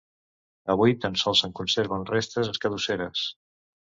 Avui tan sols se'n conserven restes escadusseres.